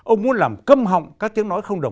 ông muốn làm câm họng các tiếng nói không đồng